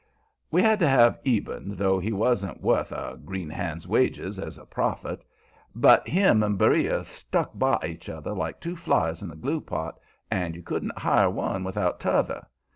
We had to have Eben, though he wasn't wuth a green hand's wages as a prophet. But him and Beriah stuck by each other like two flies in the glue pot, and you couldn't hire one without t'other.